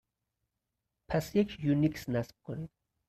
پس یک یونیکس نصب کنید.